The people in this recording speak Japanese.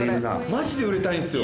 マジで売れたいんすよ！